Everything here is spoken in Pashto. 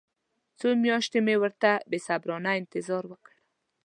څو میاشتې مې ورته بې صبرانه انتظار وکړ.